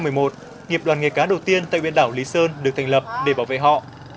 năm hai nghìn một mươi một nghiệp đoàn nghề cá đầu tiên tại biển đảo lý sơn được thành lập để bảo vệ họ